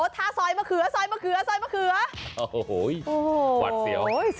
ท่าซอยมะเขือ